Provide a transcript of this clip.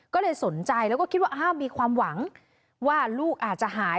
ก็เลยสนใจแล้วก็คิดว่าอ้าวมีความหวังว่าลูกอาจจะหาย